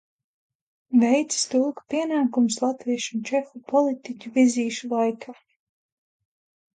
Veicis tulka pienākumus latviešu un čehu politiķu vizīšu laikā.